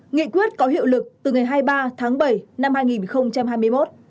nghị quyết có hiệu lực từ ngày hai mươi ba tháng bảy năm hai nghìn hai mươi một